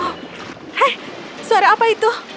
hei suara apa itu